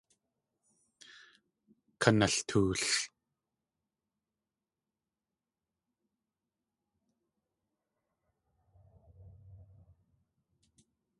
Kanaltool!